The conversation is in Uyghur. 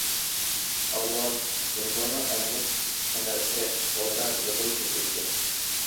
ئاۋۋال جۇڭگونىڭ ئەمگەك تەننەرخى ئۇدا يۇقىرى كۆتۈرۈلگەن.